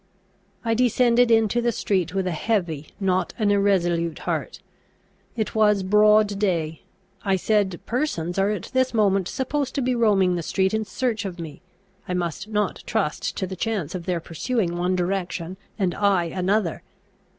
I descended into the street with a heavy, not an irresolute heart. It was broad day. I said, persons are at this moment supposed to be roaming the street in search of me: I must not trust to the chance of their pursuing one direction, and I another.